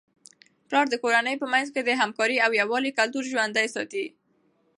پلار د کورنی په منځ کي د همکارۍ او یووالي کلتور ژوندۍ ساتي.